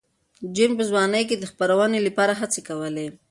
جین په ځوانۍ کې د خپرونې لپاره هڅې کولې.